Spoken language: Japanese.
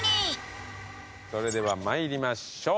それでは参りましょう。